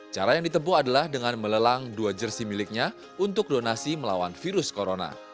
cara yang ditempuh adalah dengan melelang dua jersi miliknya untuk donasi melawan virus corona